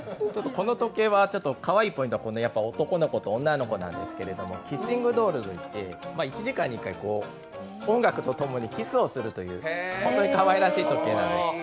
この時計のかわいいポイントは男の子と女の子なんですけれども、キッシングドール、１時間に１回、音楽と共にキスをするという本当にかわいらしい時計なんです。